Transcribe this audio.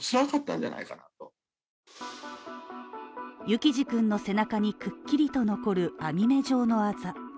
幸士君の背中にくっきりと残る網目状のあざ。